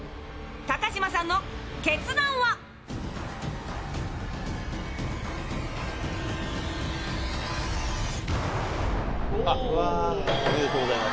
高嶋さんの決断は？おめでとうございます。